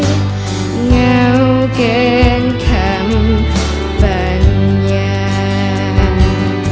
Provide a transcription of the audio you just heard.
เหงาเกินคำสัญญา